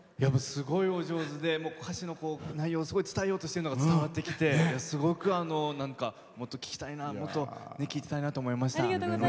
すごいお上手で歌詞の内容をすごく伝えようとしているのが伝わってきてすごく、もっと聴きたいなもっと聴いていたいなと思いました。